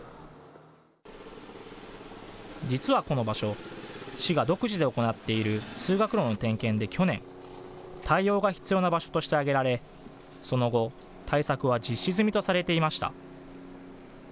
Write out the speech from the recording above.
実はこの場所、市が独自で行っている通学路の点検で去年、対応が必要な場所として挙げられその後、対策は実施済みとされていました。